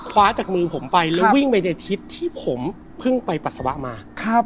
จากมือผมไปแล้ววิ่งไปในทิศที่ผมเพิ่งไปปัสสาวะมา